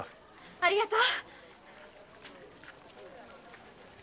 ありがとう。